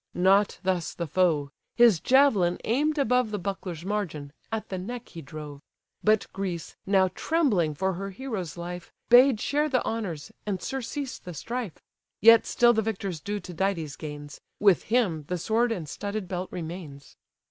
Not thus the foe: his javelin aim'd above The buckler's margin, at the neck he drove. But Greece, now trembling for her hero's life, Bade share the honours, and surcease the strife. Yet still the victor's due Tydides gains, With him the sword and studded belt remains.